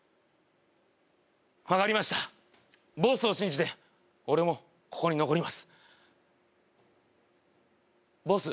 分かりましたボスを信じて俺もここに残りますボス？